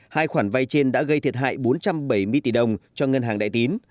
hai khoản vay trên đã gây thiệt hại bốn trăm bảy mươi tỷ đồng cho ngân hàng đại tín